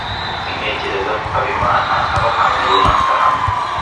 Ntekereza ko Habimana aba ahantu runaka hano.